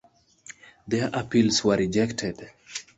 Their appeals were rejected.